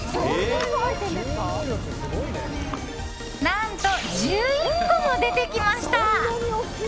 何と、１１個も出てきました。